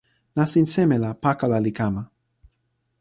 nasin seme la pakala li kama.